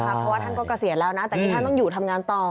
เพราะว่าท่านก็เกษียณแล้วนะแต่ที่ท่านต้องอยู่ทำงานต่อ